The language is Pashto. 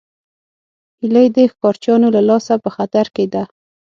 هیلۍ د ښکارچیانو له لاسه په خطر کې ده